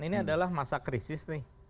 ini adalah masa krisis nih